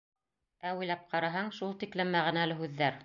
Ә уйлап ҡараһаң, шул тиклем мәғәнәле һүҙҙәр.